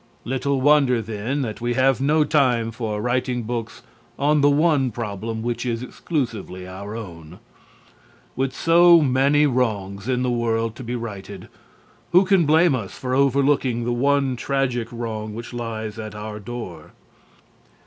Little wonder, then, that we have no time for writing books on the one problem which is exclusively our own. With so many wrongs in the world to be righted, who can blame us for overlooking the one tragic wrong which lies at our door?